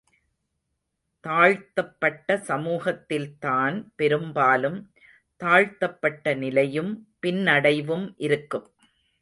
தாழ்த்தப்பட்ட சமூகத்தில்தான் பெரும்பாலும் தாழ்த்தப்பட்ட நிலையும் பின்னடைவும் இருக்கும்.